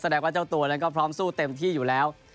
แสดงว่าเจ้าตัวนั้นก็พร้อมสู้เต็มที่อยู่แล้ว